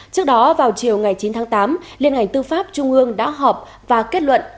trước đó vào chiều ngày chín tháng tám liên ngành tư pháp trung ương đã họp và kết luận